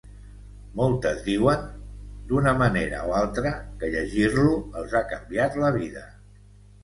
Moltes diuen, d'una manera o altra, que llegir-lo els ha canviat la vida.